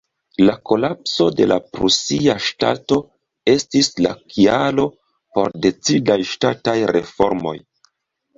La kolapso de la prusia ŝtato estis la kialo por decidaj ŝtataj reformoj.